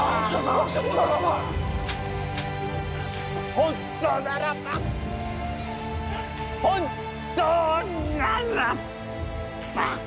本当ならば本当ならば。